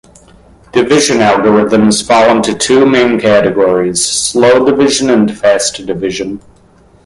Division algorithms fall into two main categories: slow division and fast division.